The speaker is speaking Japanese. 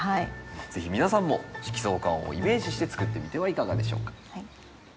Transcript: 是非皆さんも色相環をイメージして作ってみてはいかがでしょうか。